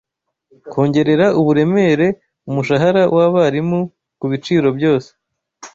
kongerera uburemere umushahara wabarimu kubiciro byose